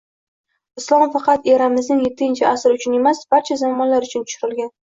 Islom faqat eramizning yettinchi asri uchun emas, barcha zamonlar uchun tushirilgan